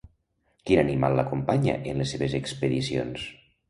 Quin animal l'acompanya en les seves expedicions?